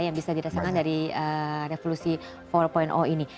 yang bisa dirasakan dari revolusi empat ini